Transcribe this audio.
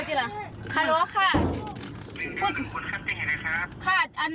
ใช้ทางแบ่งทางแกล้ง